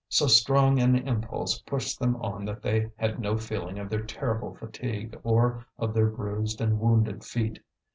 So strong an impulse pushed them on that they had no feeling of their terrible fatigue, or of their bruised and wounded feet.